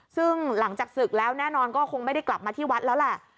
ซึ่งหลังจากศึกแล้วแน่นอนก็คงไม่ได้กลับมาที่วัดแล้วแหละ